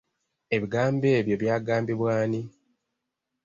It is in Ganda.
Ebigambo ebyo byagambibwa ani?